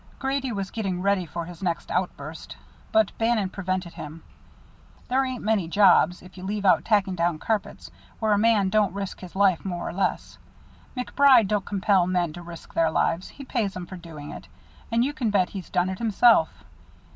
Grady was getting ready for his next outburst, but Bannon prevented him. "There ain't many jobs, if you leave out tacking down carpets, where a man don't risk his life more or less. MacBride don't compel men to risk their lives; he pays 'em for doing it, and you can bet he's done it himself.